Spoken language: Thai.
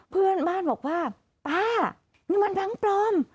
เพื่อนบ้านบอกว่าป้านี่มันแบงค์ปลอม